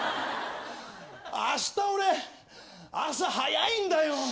あした俺朝早いんだよ！